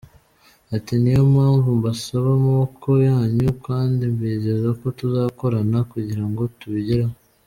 Ati “ Niyo mpamvu mbasaba amaboko yanyu kandi mbizeza ko tuzakorana kugira ngo tubigereho.